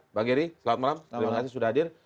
mbak geri selamat malam terima kasih sudah hadir